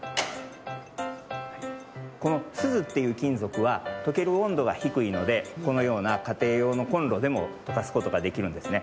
このすずっていうきんぞくはとけるおんどがひくいのでこのようなかていようのコンロでもとかすことができるんですね。